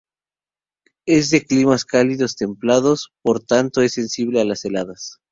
Es de climas cálidos templados, por tanto es sensible a las heladas.